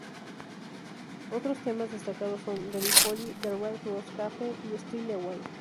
Otros temas destacados son: "Gallipoli", "The Red Rose Cafe" y "Steal Away".